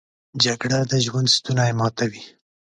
جګړه د ژوند ستونی ماتوي